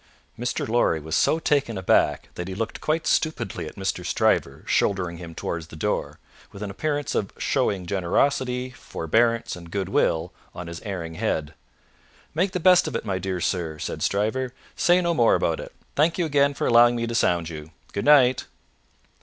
Mr. Lorry was so taken aback, that he looked quite stupidly at Mr. Stryver shouldering him towards the door, with an appearance of showering generosity, forbearance, and goodwill, on his erring head. "Make the best of it, my dear sir," said Stryver; "say no more about it; thank you again for allowing me to sound you; good night!"